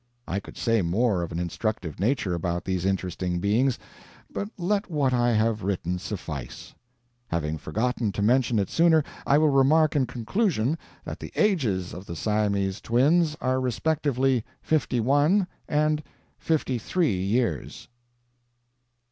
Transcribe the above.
I could say more of an instructive nature about these interesting beings, but let what I have written suffice. Having forgotten to mention it sooner, I will remark in conclusion that the ages of the Siamese Twins are respectively fifty one and fifty three years.